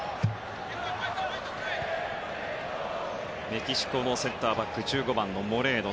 メキシコのセンターバック１５番、モレーノ。